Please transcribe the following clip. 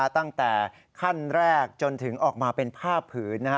ตั้งแต่ขั้นแรกจนถึงออกมาเป็นผ้าผืน